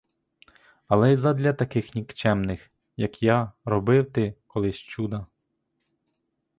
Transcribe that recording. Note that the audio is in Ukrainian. Але й задля таких нікчемних, як я, робив ти колись чуда.